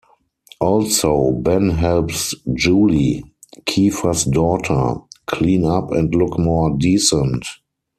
Also, Ben helps Julie, Keefer's daughter, clean up and look more decent.